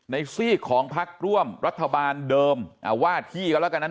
ซีกของพักร่วมรัฐบาลเดิมว่าที่ก็แล้วกันนะ